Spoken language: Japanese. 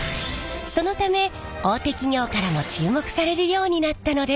そのため大手企業からも注目されるようになったのです。